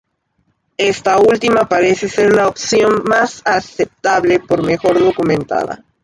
Esta última parece ser la opción más aceptable, por mejor documentada.